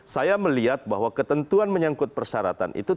saya melihat bahwa ketentuan menyangkut persyaratan itu